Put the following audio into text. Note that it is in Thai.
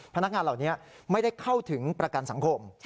พนักงานเหล่านี้ไม่ได้เข้าถึงประกันสังคม